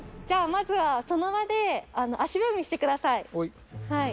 じゃあ、まずはその場で足踏みしてください。